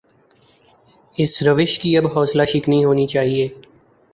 اس روش کی اب حوصلہ شکنی ہونی چاہیے۔